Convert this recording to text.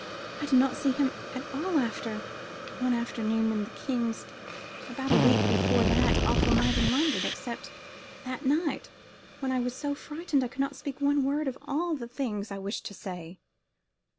I did not see him at all after one afternoon in the king's about a week before that awful night in London, except that night, when I was so frightened I could not speak one word of all the things I wished to say."